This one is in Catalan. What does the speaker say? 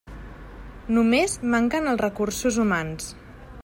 Només manquen els recursos humans.